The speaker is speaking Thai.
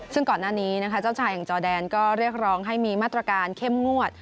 ซึ่งก่อนหน้านี้นะคะเจ้าชายแห่งจอแดนก็เรียกร้องให้มีมาตรการเข้มงวด